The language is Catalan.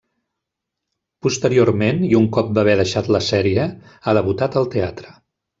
Posteriorment, i un cop va haver deixat la sèrie, ha debutat al teatre.